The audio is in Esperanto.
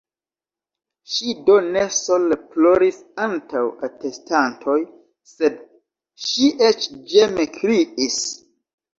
Ŝi do ne sole ploris antaŭ atestantoj, sed ŝi eĉ ĝeme kriis.